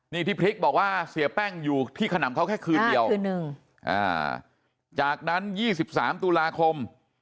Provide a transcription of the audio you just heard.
นี่ที่พริกบอกว่าเสียแป้งอยู่ที่ขนำเขาแค่คืนเดียวคืนนึงจากนั้น๒๓ตุลาคม